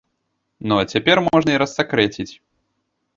Ну а цяпер можна і рассакрэціць.